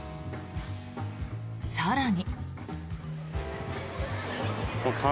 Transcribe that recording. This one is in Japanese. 更に。